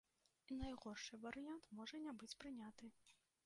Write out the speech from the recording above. І найгоршы варыянт можа не быць прыняты.